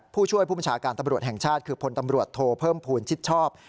ผู้ช่วยผู้บัญชาการตำรวจแห่งชาติคือพลตำรวจโทเพิ่มภูมิชิดชอบ